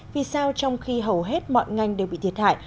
vì sao trong khi hầu hết mọi ngành đều bị thiệt hại